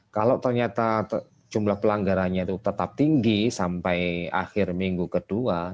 kalau ternyata jumlah pelanggarannya itu tetap tinggi sampai akhir minggu kedua